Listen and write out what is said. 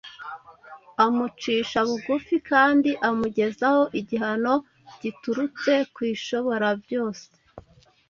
amucisha bugufi kandi amugezaho igihano giturutse ku Ishoborabyose.